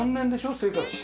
生活して。